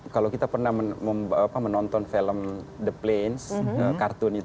kalau kita pernah menonton film the plains kartun itu